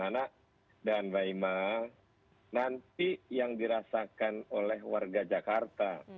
nana dan mbak ima nanti yang dirasakan oleh warga jakarta